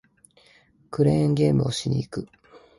クレーンゲームをしに行く